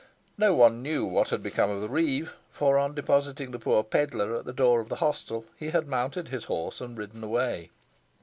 No one knew what had become of the reeve; for, on depositing the poor pedlar at the door of the hostel, he had mounted his horse and ridden away.